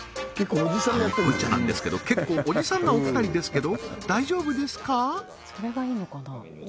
あのこう言っちゃ何ですけど結構おじさんなお二人ですけど大丈夫ですか？